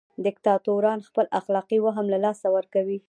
دیکتاتوران خپل اخلاقي وهم له لاسه ورکوي.